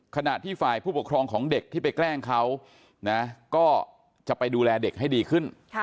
ขณะที่ฝ่ายผู้ปกครองของเด็กที่ไปแกล้งเขาก็จะไปดูแลเด็กให้ดีขึ้น